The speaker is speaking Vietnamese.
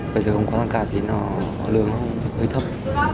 bây giờ không có tăng ca thì lương hơi thấp